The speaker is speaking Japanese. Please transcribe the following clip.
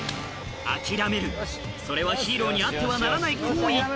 それはヒーローにあってはならない行為